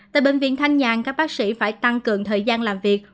tại bệnh viện thanh nhàn các bác sĩ phải tăng cường thời gian làm việc